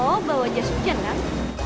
lo bawa jasujen kan